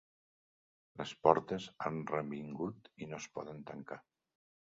Les portes han revingut i no es poden tancar.